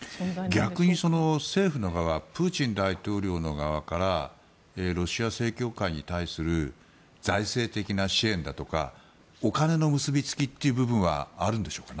逆に政府の側プーチン大統領の側からロシア正教会に対する財政的な支援だとかお金の結びつきという部分はあるんでしょうか。